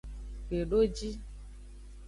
Kpedoji.